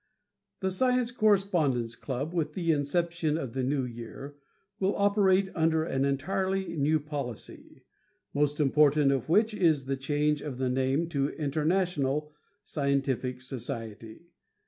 The Science Correspondence Club, with the inception of the new year, will operate under an entirely new policy, most important of which is the change of name to Internationale Scientific Society.